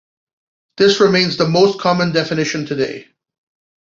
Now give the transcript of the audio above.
This remains the most common definition today.